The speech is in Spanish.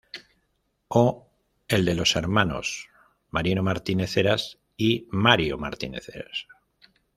O el de los hermanos Marino Martínez Heras y Mario Martínez Heras.